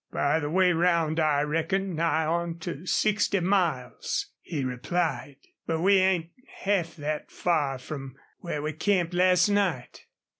"By the way round I reckon nigh on to sixty miles," he replied. "But we ain't half thet far from where we camped last night."